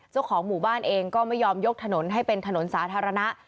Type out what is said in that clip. เจ้าของหมู่บ้านเองก็ไม่ยอมยกถนนให้เป็นถนนสาธารณะ